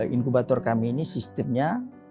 inkubator kami ini sistemnya